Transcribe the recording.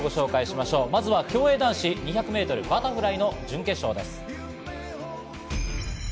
まずは競泳男子２００ｍバタフライの準決勝です。